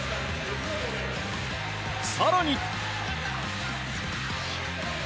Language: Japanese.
更に。